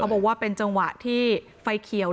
บอกว่าเป็นจังหวะที่ไฟเขียว